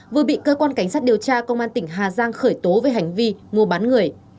vừa bị cơ quan cảnh sát điều tra công an tỉnh hà giang khởi tố về hành vi mua bán người